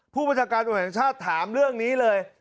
ผู้บัญชาการตำรวจแห่งชาติถามเรื่องนี้เลย